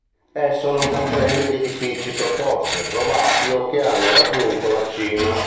Esso non comprende gli edifici proposti, approvati o che hanno raggiunto la cima.